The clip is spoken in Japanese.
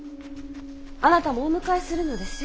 あなたもお迎えするのですよ。